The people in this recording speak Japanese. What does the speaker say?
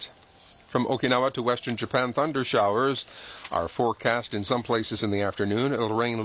そうですね。